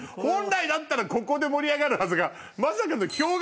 本来だったらここで盛り上がるはずが。